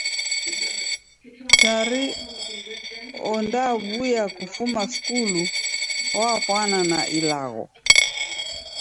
Chari ondaw'uya kufuma skulu opwana na ilagho!